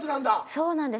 そうなんです。